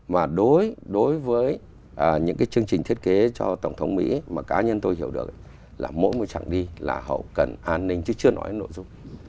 mà đối với những cái chương trình thiết kế cho tổng thống mỹ mà cá nhân tôi hiểu được là mỗi một chặng đi là họ cần an ninh chứ chưa nói nội dung